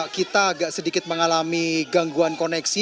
kita agak sedikit mengalami gangguan koneksi